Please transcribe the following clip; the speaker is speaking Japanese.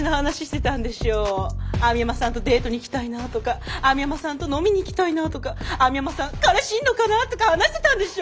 網浜さんとデートに行きたいなとか網浜さんと飲みに行きたいなとか網浜さん彼氏いんのかなとか話してたんでしょ。